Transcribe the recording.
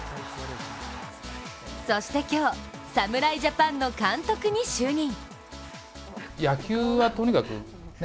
そして今日、侍ジャパンの監督に就任。